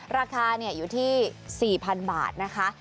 ราคาอยู่ที่๔๐๐๐บาทนะคะ